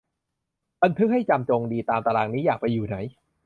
บันทึกให้จำจงดี ตามตารางนี้ อยากไปอยู่ไหน